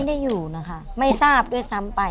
ได้อยู่นะคะไม่ทราบด้วยซ้ำไป